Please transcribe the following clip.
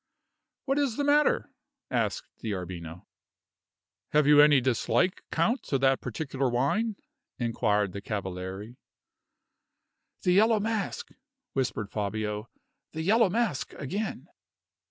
"What is the matter?" asked D'Arbino. "Have you any dislike, count, to that particular wine?" inquired the cavaliere. "The Yellow Mask!" whispered Fabio. "The Yellow Mask again!"